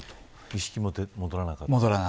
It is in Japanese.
意識も戻らなかった。